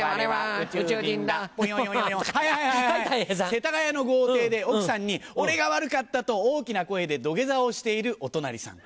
世田谷の豪邸で奥さんに俺が悪かったと大きな声で土下座をしているお隣さん。